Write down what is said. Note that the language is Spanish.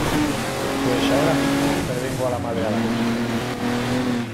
pues ahora mismo prevengo a la Madre Abadesa.